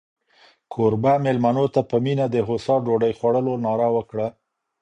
کوربه مېلمنو ته په مینه د هوسا ډوډۍ خوړلو ناره وکړه.